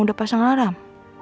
udah pasang alarm